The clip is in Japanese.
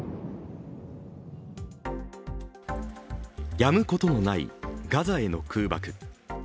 やむことのないガザへの空爆。